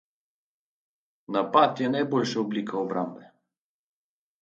Napad je najboljša oblika obrambe.